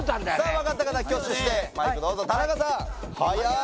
分かった方挙手してどうぞ田中さんはやい